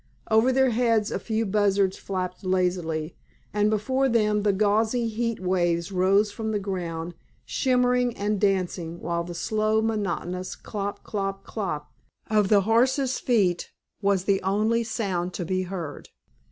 Over their heads a few buzzards flapped lazily, and before them the gauzy heat waves rose from the ground shimmering and dancing while the slow, monotonous klop, klop, klop of the horses' feet was the only sound to be heard.